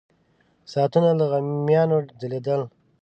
ساعتونه له غمیانو ځلېدل.